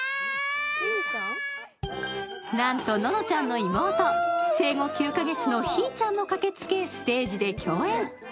なんと、ののちゃんの妹、生後５か月のひーちゃんも駆けつけステージで共演。